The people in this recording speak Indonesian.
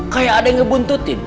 kayak ada yang ngebuntutin